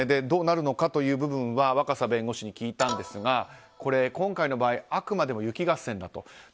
どうなるのかという部分は若狭弁護士に聞いたんですが、今回の場合あくまでも雪合戦だと。